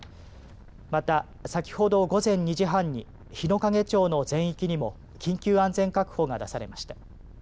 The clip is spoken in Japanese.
また先ほど午前２時半に日之影町の全域にも緊急安全確保が出されました。